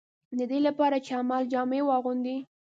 د دې لپاره چې د عمل جامه واغوندي.